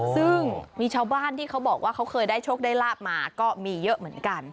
ซึ่งมีชาวบ้านที่เขาบอกว่าเขาเคยได้โชคได้ลาบมาก็มีเยอะเหมือนกัน